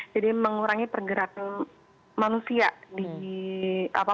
jadi mengurangi pergerakan manusia di masyarakat